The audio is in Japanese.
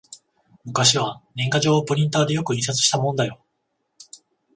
昔は年賀状をプリンターでよく印刷したもんだよ